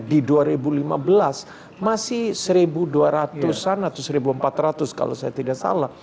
di dua ribu lima belas masih seribu dua ratus an atau seribu empat ratus kalau saya tidak salah